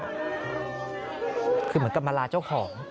คือเหมือนกับมาลาเจ้าของ